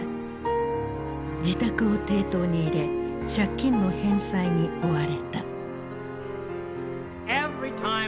自宅を抵当に入れ借金の返済に追われた。